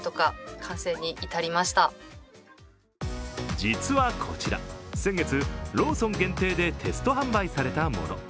実はこちら、先月ローソン限定でテスト販売されたもの。